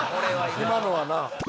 今のはな。